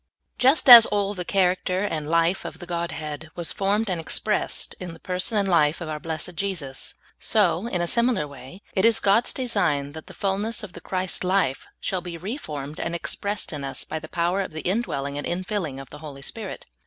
JUST as all the character and life of the Godhead was formed and expressed in the person and life of our blessed Jesus, so, in a similar wa^^ it is God's de sign that the fullness of the Christ life shall be re formed and expressed in us by the power of the in dwelling and infilling of the Holy Spirit.